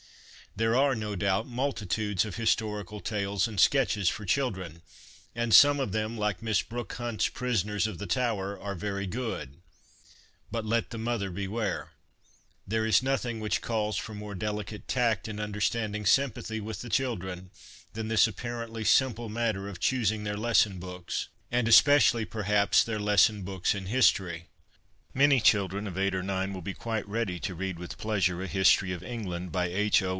There are, no doubt, multitudes of historical tales and sketches for children, and some of 1 See Appendix A. 19 290 HOME EDUCATION them, like Miss Brooke Hunt's Prisoners of the Tower} are very good ; but let the mother beware : there is nothing which calls for more delicate tact and under standing sympathy with the children than this appar ently simple matter of choosing their lesson books, and especially, perhaps, their lesson books in history. Many children of eight or nine will be quite ready to read with pleasure A History of England, by H. O.